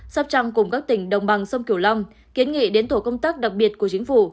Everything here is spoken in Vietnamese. sóc trăng cùng các tỉnh đồng bằng sông kiều long kiến nghị đến tổ công tác đặc biệt của chính phủ